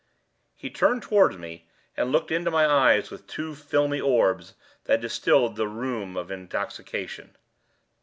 He turned towards me, and looked into my eyes with two filmy orbs that distilled the rheum of intoxication.